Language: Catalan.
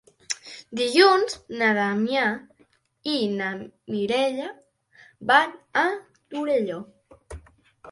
Dilluns na Damià i na Mireia van a Torelló.